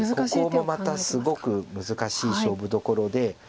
ここもまたすごく難しい勝負どころで。